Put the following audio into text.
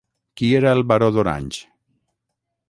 Qui era el "Baró d'Orange"?